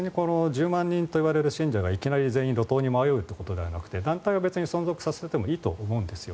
１０万人という信者がいきなり路頭に迷うということはなくて団体は別に存続させてもいいと思うんですよ。